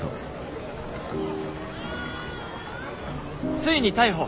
「ついに逮捕！